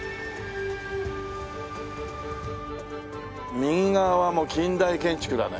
右側はもう近代建築だね。